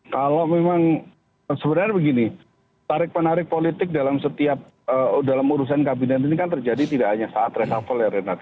kalau memang sebenarnya begini tarik penarik politik dalam setiap dalam urusan kabinet ini kan terjadi tidak hanya saat resapel ya renat